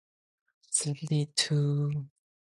The music features a prominent descending bass guitar line.